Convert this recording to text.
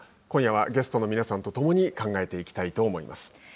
今夜はゲストの皆さんと共に考えていきたいと思います。